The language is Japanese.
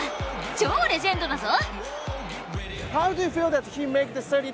超レジェンドだぞ！